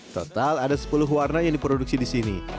total ada sepuluh warna yang diproduksi di sini